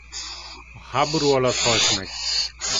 A háború alatt halt meg.